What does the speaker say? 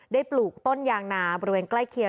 ปลูกต้นยางนาบริเวณใกล้เคียง